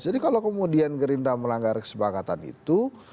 jadi kalau kemudian gerindra melanggar kesepakatan itu